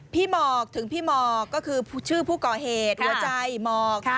หมอกถึงพี่หมอกก็คือชื่อผู้ก่อเหตุหัวใจหมอก